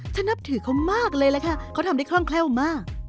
นับถือเขามากเลยแหละค่ะเขาทำได้คล่องแคล่วมาก